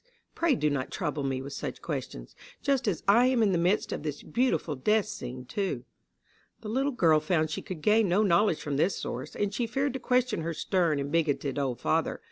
Pray do not trouble me with such questions; just as I am in the midst of this beautiful death scene too." The little girl found she could gain no knowledge from this source, and she feared to question her stern and bigoted old father.